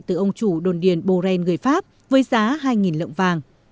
từ ông chủ đồn điền boren người pháp với giá hai lượng vàng